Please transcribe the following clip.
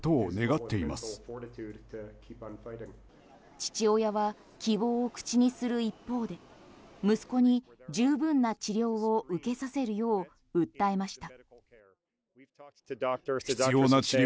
父親は希望を口にする一方で息子に十分な治療を受けさせるよう訴えました。